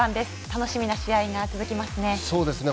楽しみな試合が続きますね。